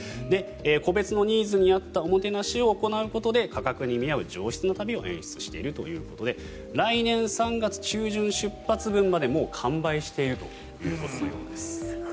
個別のニーズに合ったおもてなしを行うことで価格に見合う上質な旅を演出しているということで来年３月中旬出発分までもう完売しているということのようです。